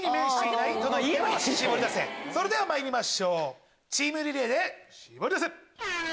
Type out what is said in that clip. それではまいりましょうチームリレーでシボリダセ！